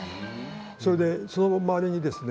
それでその周りにですね